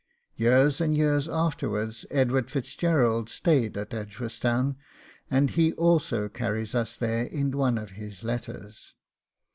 Years and years afterwards Edward Fitzgerald stayed at Edgeworthstown, and he also carries us there in one of his letters.